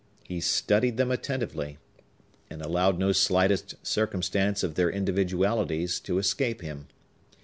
He studied them attentively, and allowed no slightest circumstance of their individualities to escape him.